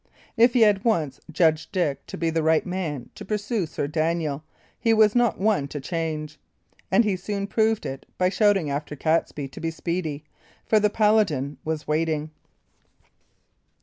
If he had once judged Dick to be the right man to pursue Sir Daniel, he was not one to change; and he soon proved it by shouting after Catesby to be speedy, for the paladin was waiting.